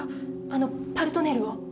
あの「パルトネール」を。